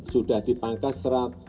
sudah dipangkas satu ratus delapan puluh enam